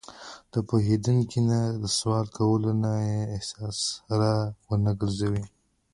له پوهېدونکي نه د سوال کولو نه یې احساس را ونهګرځوي.